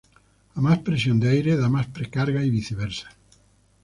A más presión de aire da más precarga, y viceversa.